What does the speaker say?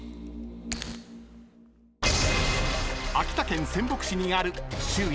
［秋田県仙北市にある周囲